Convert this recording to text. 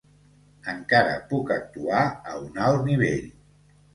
Encara puc actuar a un alt nivell.